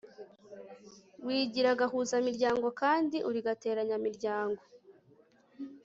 wigira gahuzamiryango kandi uri gateranyamiryango